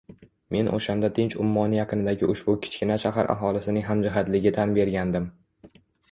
Men o‘shanda Tinch ummoni yaqinidagi ushbu kichkina shahar aholisining hamjihatligi tan bergandim.